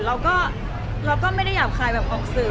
เราก็ไม่ได้หยาบคายแบบออกสื่อ